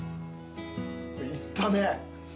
いったね。